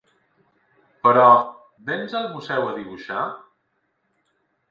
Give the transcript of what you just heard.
Però, véns al museu a dibuixar?